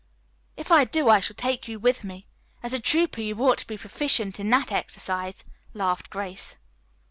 "If I do, I shall take you with me. As a trouper you ought to be proficient in that exercise," laughed Grace.